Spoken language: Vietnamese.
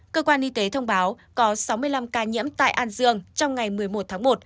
cơ quan y tế thông báo có sáu mươi năm ca nhiễm tại an dương trong ngày một mươi một tháng một